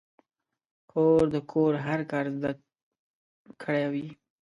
خور د کور هر کار زده کړی وي.